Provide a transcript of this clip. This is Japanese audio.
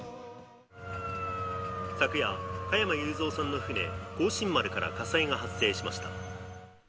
昨夜、加山雄三さんの船、光進丸から火災が発生しました。